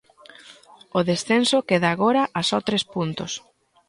O descenso queda agora a só tres puntos.